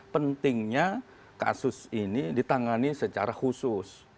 pentingnya kasus ini ditangani secara khusus